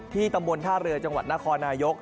ตำบลท่าเรือจังหวัดนครนายก